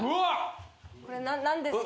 これ何ですか？